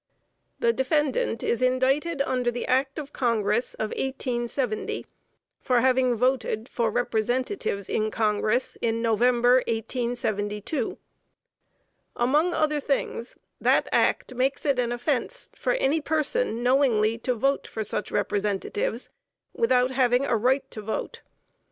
The defendant is indicted under the act of Congress of 1870, for having voted for Representatives in Congress in November, 1872. Among other things, that Act makes it an offence for any person knowingly to vote for such Representatives without having a right to vote.